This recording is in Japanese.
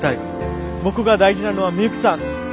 僕が大事なのはミユキさん。